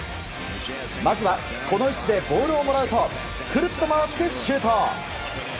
まずはこの位置でボールをもらうとくるっと回ってシュート。